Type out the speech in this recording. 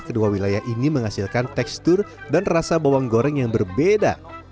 kedua wilayah ini menghasilkan tekstur dan rasa bawang goreng yang berbeda